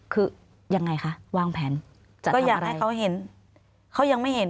คือยังไงคะวางแผนก็อยากให้เขาเห็นเขายังไม่เห็น